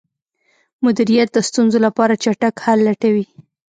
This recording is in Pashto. مدیریت د ستونزو لپاره چټک حل لټوي.